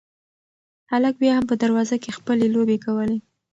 هلک بیا هم په دروازه کې خپلې لوبې کولې.